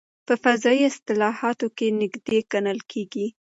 په فضایي اصطلاحاتو کې نژدې ګڼل کېږي.